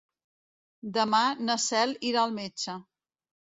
Demà na Cel irà al metge.